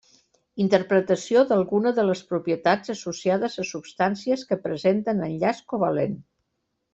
Interpretació d'alguna de les propietats associades a substàncies que presenten enllaç covalent.